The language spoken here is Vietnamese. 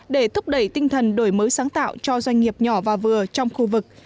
để thúc đẩy tinh thần đổi mới sáng tạo cho doanh nghiệp nhỏ và vừa trong khu vực